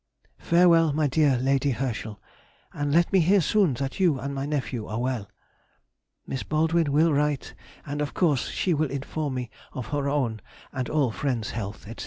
Farewell, my dear Lady Herschel, and let me hear soon that you and my nephew are well. Miss Baldwin will write, and of course she will inform me of her own and all friends' health, &c.